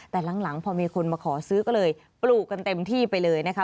แต่หลังพอมีคนมาขอซื้อก็เลยปลูกกันเต็มที่ไปเลยนะคะ